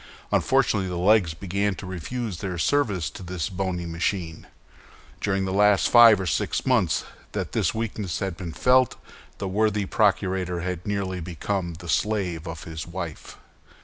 Unfortunately the legs began to refuse their service to this bony machine. During the last five or six months that this weakness had been felt, the worthy procurator had nearly become the slave of his wife.